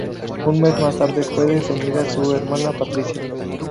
Un mes más tarde fue detenida su hermana Patricia.